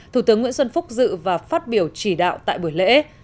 thủ tướng nguyễn xuân phúc dự và phát biểu chỉ đạo tại buổi lễ